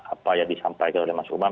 apa yang disampaikan oleh mas umam